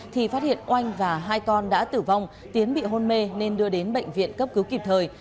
thì phát hiện oanh và hai con đã tử vong tiến bị hôn mê nên đưa đến bệnh viện cấp cứu kịp thời